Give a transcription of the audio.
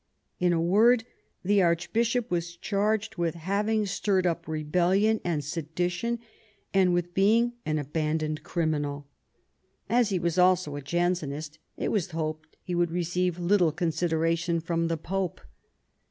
In a word, the archbishop was charged with having stirred up rebellion and sedition, and with being an abandoned criminal As he was also a Jansenist, it was hoped he would receive little consideration from the Pope.